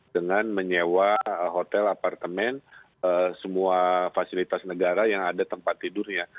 dengan menyewa hotel apartemen semua fasilitas negara yang ada tempat tidurnya